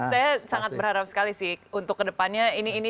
saya sangat berharap sekali sih untuk kedepannya ini tidak menjadi hal yang terbaik